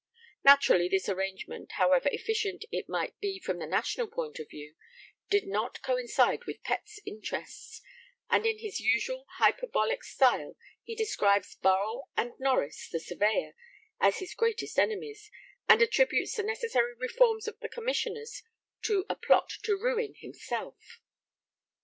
Naturally this arrangement, however efficient it might be from the national point of view, did not coincide with Pett's interests, and in his usual hyperbolical style he describes Burrell and Norreys (the Surveyor) as his 'greatest enemies,' and attributes the necessary reforms of the Commissioners to a plot to 'ruin' himself.